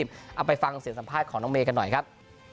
เอาไปฟังเสียงสัมภาษณ์ของน้องเมย์กันหน่อยครับ